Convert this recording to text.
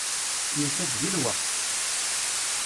Yusa-d deg lweqt.